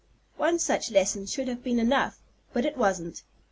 One such lesson should have been enough; but it wasn't.